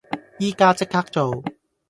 依家即刻做